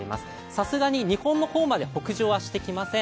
さすがに日本の方まで北上はしてきません。